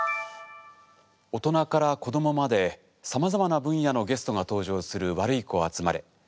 大人から子どもまでさまざまな分野のゲストが登場する「ワルイコあつまれ」。